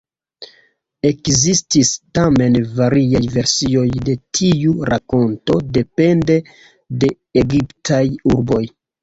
Ekzistis tamen variaj versioj de tiu rakonto depende de egiptaj urboj.